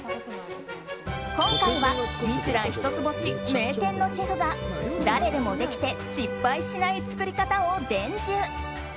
今回は「ミシュラン」一つ星名店のシェフが誰でもできて失敗しない作り方を伝授。